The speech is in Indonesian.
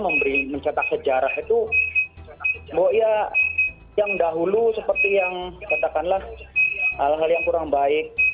memberi mencetak sejarah itu bahwa ya yang dahulu seperti yang katakanlah hal hal yang kurang baik